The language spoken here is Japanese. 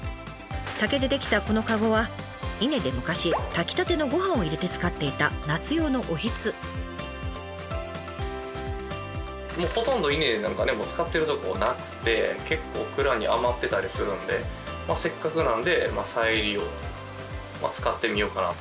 竹で出来たこの籠は伊根で昔炊きたてのご飯を入れて使っていたほとんど伊根なんかねもう使ってるとこなくて結構蔵に余ってたりするんでせっかくなんで再利用使ってみようかなと思って。